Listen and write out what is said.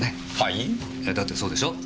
いやだってそうでしょ？